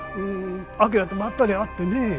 明とばったり会ってね。